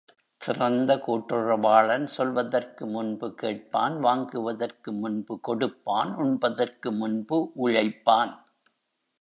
சிறந்த கூட்டுறவாளன் சொல்வதற்கு முன்பு கேட்பான் வாங்குவதற்கு முன்பு கொடுப்பான் உண்பதற்கு முன்பு உழைப்பான்.